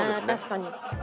確かに。